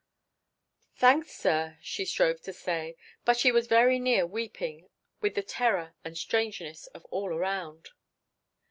"Thanks, sir," she strove to say, but she was very near weeping with the terror and strangeness of all around.